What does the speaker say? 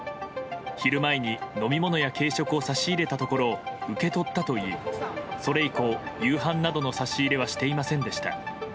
昼前に飲み物や軽食を差し入れたところ受け取ったといい、それ以降夕飯などの差し入れはしていませんでした。